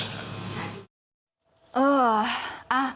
เอออะ